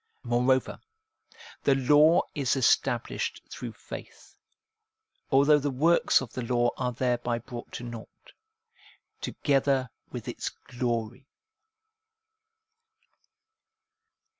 Moreover, the law is established through faith, although the works of the law are thereby brought to nought, together with its glory.